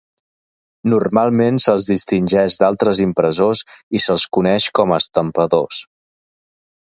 Normalment se'ls distingeix d'altres impressors i se'ls coneix com a estampadors.